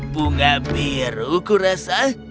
bunga biru ku rasa